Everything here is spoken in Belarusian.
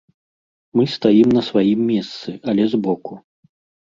Мы стаім на сваім месцы, але збоку.